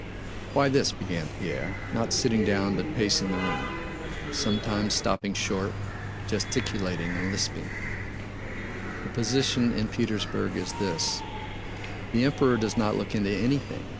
"Why this," began Pierre, not sitting down but pacing the room, sometimes stopping short, gesticulating, and lisping: "the position in Petersburg is this: the Emperor does not look into anything.